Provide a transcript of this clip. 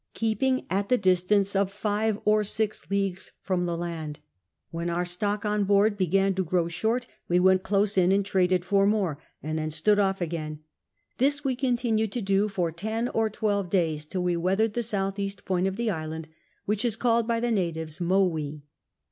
keeping at the dis tance of five or six leagues from the laud ; when our stock 144 CAPTAIN COON CHAP. on board began to grow shorti wc went close in and traded for more, and then stood off again ; this we continued to do for ten or twelve days, till we weathered the S.E. point of the island, which is called by the natives Mowwee.